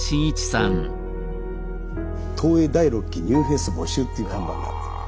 「東映第６期ニューフェイス募集」っていう看板があった。